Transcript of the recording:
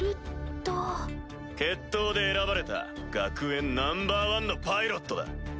決闘で選ばれた学園ナンバー１のパイロットだ。